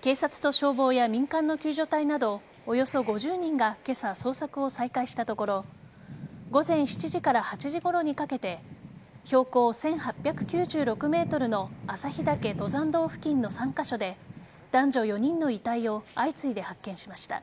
警察と消防や民間の救助隊などおよそ５０人が今朝捜索を再開したところ午前７時から８時ごろにかけて標高１８９６ｍの朝日岳登山道付近の３カ所で男女４人の遺体を相次いで発見しました。